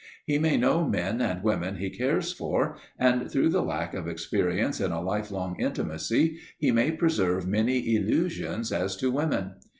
He may know men and women he cares for, and, through the lack of experience in a life long intimacy, he may preserve many illusions as to women.